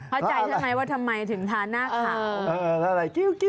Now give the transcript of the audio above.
เข้าใจใช่ไหมว่าทำไมถึงทานหน้าขาว